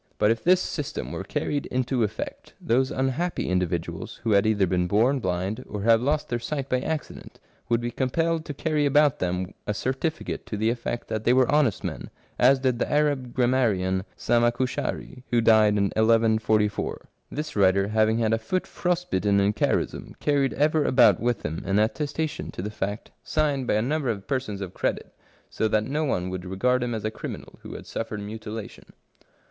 But if his system were carried into effect, those unhappy in dividuals who have either been born blind or have lost their sight by accident, would be compelled to carry about with them a certificate to the effect that they were honest men, as did the Arab grammarian Zamakuschari, who died in 1 1 44. This writer, having had a foot frost bitten in Kharism, carried ever about with him an attestation to the fact, signed by a 94 r Strange Pains and Penalties number of persons of credit, so that no one would regard him as a criminal who had suffered mutilation.